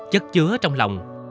chất chứa trong lòng